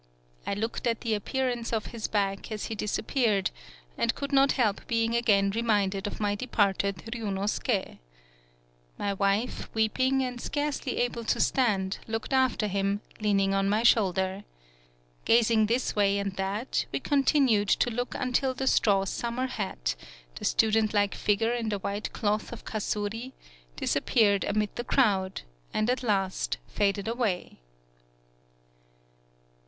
I looked at the appearance of his back as he disappeared, and could not help be ing again reminded of my departed Ryunosuke. My wife, weeping and scarcely able to stand, looked after him, leaning on my shoulder. Gazing this way and that, we continued to look un 164 TSUGARU STRAIT til the straw summer hat, the student like figure in the white cloth of Kasuri, disappeared amid the crowd, and at last faded away.